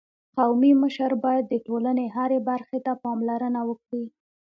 قومي مشر باید د ټولني هري برخي ته پاملرنه وکړي.